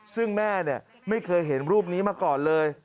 ซึ่งแม่ไม่เคยเห็นรูปนี้มาก่อนเลย